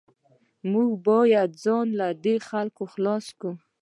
موږ باید ځان له دې خلکو خلاص کړو